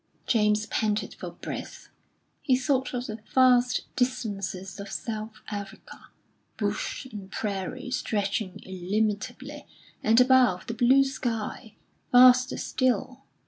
James panted for breath. He thought of the vast distances of South Africa, bush and prairie stretching illimitably, and above, the blue sky, vaster still.